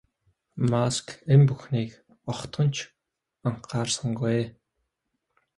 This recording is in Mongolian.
Макс энэ бүхнийг огтхон ч анхаарсангүй.